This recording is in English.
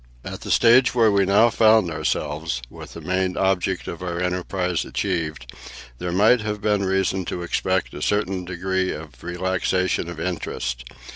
At the stage where we now found ourselves, with the main object of our enterprise achieved, there might have been reason to expect a certain degree of relaxation of interest.